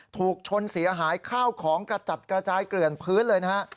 ถูกชนเสียหายข้าวของกระจัดกระจายเกลื่อนพื้นเลยนะฮะ